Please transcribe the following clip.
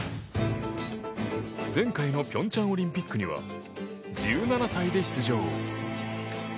前回の平昌オリンピックには１７歳で出場。